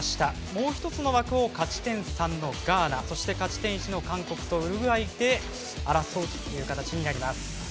もう１つの枠を勝ち点３のガーナそして勝ち点１の韓国とウルグアイで争うという形になります。